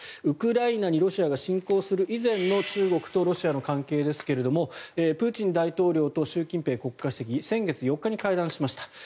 ウクライナにロシアが侵攻する以前の中国とロシアの関係ですがプーチン大統領と習近平国家主席先月４日に会談しました。